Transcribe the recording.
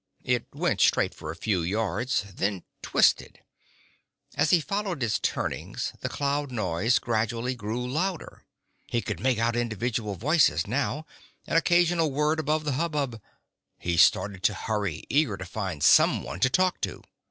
It went straight for a few yards, then twisted. As he followed its turnings the crowd noise gradually grew louder. He could make out individual voices now, an occasional word above the hubbub. He started to hurry, eager to find someone to talk to.